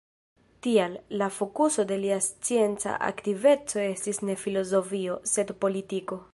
Tial, la fokuso de lia scienca aktiveco estis ne filozofio, sed politiko.